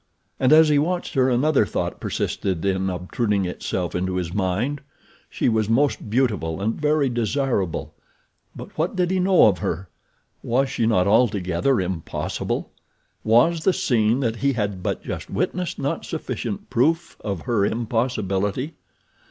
And as he watched her another thought persisted in obtruding itself into his mind. She was most beautiful and very desirable; but what did he know of her? Was she not altogether impossible? Was the scene that he had but just witnessed not sufficient proof of her impossibility?